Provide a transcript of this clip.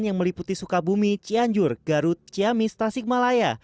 yang meliputi sukabumi cianjur garut ciamis tasikmalaya